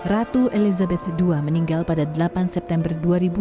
ratu elizabeth ii meninggal pada delapan september dua ribu dua puluh